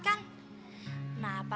oh ya kenapa